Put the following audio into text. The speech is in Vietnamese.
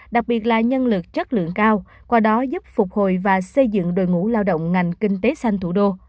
đặc biệt là nhân lực chất lượng cao qua đó giúp phục hồi và xây dựng đội ngũ lao động ngành kinh tế xanh thủ đô